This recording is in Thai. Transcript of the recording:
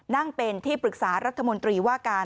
นั่งเป็นที่ปรึกษารัฐมนตรีว่าการ